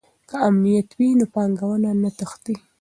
که امنیت وي نو پانګونه نه تښتي.